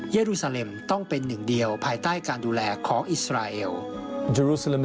รูซาเลมต้องเป็นหนึ่งเดียวภายใต้การดูแลของอิสราเอล